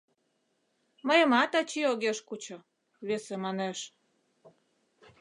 — Мыйымат ачий огеш кучо, — весе манеш.